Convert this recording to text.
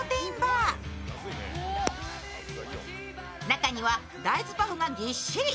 中には大豆パフがぎっしり。